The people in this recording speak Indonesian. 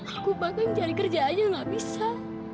aku bahkan mencari kerja aja gak bisa